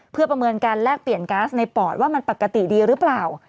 เพื่อประเมินการแลกเปลี่ยนก๊าซในปอดว่ามันปกติดีหรือเปล่า